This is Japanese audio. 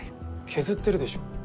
削ってるでしょ。